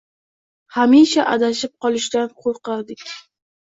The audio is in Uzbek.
Hamisha adashib qolishdan qo‘rqardik.